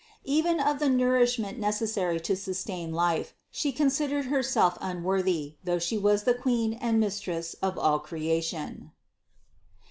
Even of the nourishment necessary to sustain life, She con sidered Herself unworthy, though She was the Queen and Mistress of all creation.